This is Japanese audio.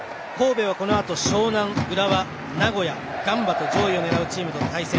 このあと、神戸は湘南浦和、名古屋、ガンバ上位を狙うチームと対戦。